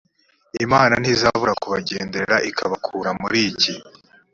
imana ntizabura kubagenderera ikabakura muri iki